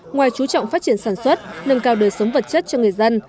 ngoài chú trọng phát triển sản xuất nâng cao đời sống vật chất cho người dân